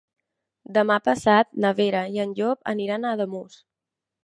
Demà passat na Vera i en Llop aniran a Ademús.